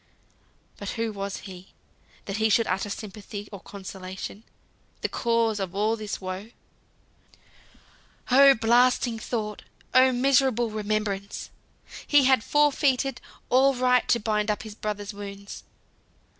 But who was he, that he should utter sympathy or consolation? The cause of all this woe. Oh blasting thought! Oh miserable remembrance! He had forfeited all right to bind up his brother's wounds.